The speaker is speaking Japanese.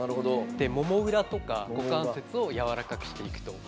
もも裏とか、股関節をやわらかくしていくと。